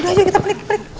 udah aja kita pilih pilih